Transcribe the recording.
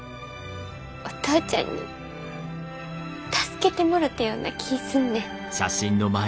お父ちゃんに助けてもろたような気ぃすんねん。